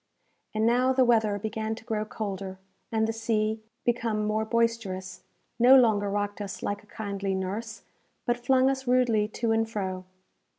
And now the weather began to grow colder, and the sea, become more boisterous, no longer rocked us like a kindly nurse, but flung us rudely to and fro.